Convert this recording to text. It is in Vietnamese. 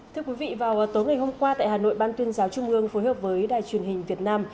thưa quý vị vào tối ngày hôm qua tại hà nội ban tuyên giáo trung ương phối hợp với đài truyền hình việt nam